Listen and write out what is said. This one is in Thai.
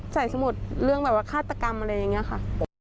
สมุดเรื่องแบบว่าฆาตกรรมอะไรอย่างนี้ค่ะ